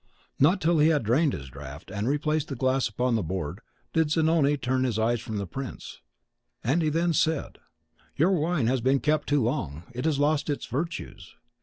Not till he had drained his draft, and replaced the glass upon the board, did Zanoni turn his eyes from the prince; and he then said, "Your wine has been kept too long; it has lost its virtues.